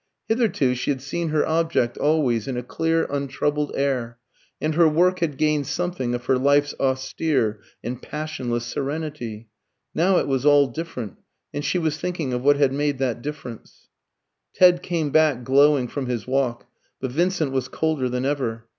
Hitherto she had seen her object always in a clear untroubled air, and her work had gained something of her life's austere and passionless serenity. Now it was all different, and she was thinking of what had made that difference. Ted came back glowing from his walk; but Vincent was colder than ever.